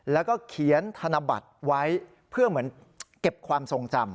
แล้วก็เขียนธนบัตรไว้เพื่อเหมือนเก็บความทรงจำ